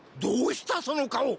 どうしたその顔！？